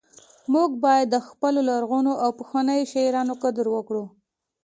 موږ باید د خپلو لرغونو او پخوانیو شاعرانو قدر وکړو